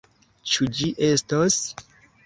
Ĉu ĝi estos?